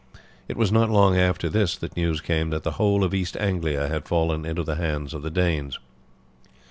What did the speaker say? It was not long after this that news came that the whole of East Anglia had fallen into the hands of the Danes.